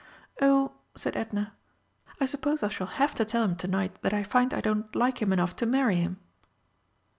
"Oh," said Edna, "I suppose I shall have to tell him to night that I find I don't like him enough to marry him."